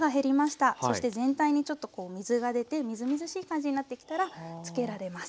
そして全体にちょっとこう水が出てみずみずしい感じになってきたら漬けられます。